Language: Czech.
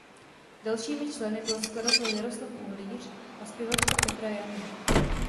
Dalšími členy byl skladatel Jaroslav Uhlíř a zpěvačka Petra Janů.